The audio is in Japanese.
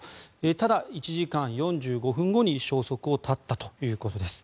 ただ、１時間４５分後に消息を絶ったということです。